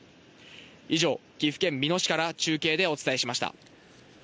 以上、岐阜県美濃市から中継でお伝えしました。